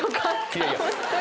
いやいや。